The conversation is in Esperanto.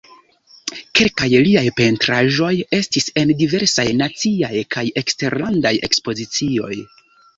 Kelkaj liaj pentraĵoj estis en diversaj naciaj kaj eksterlandaj ekspozicioj.